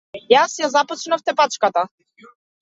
Јас ја започнав тепачката.